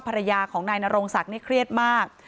ภรรยาของนายนโรงศักดิ์นี่เครียดมาก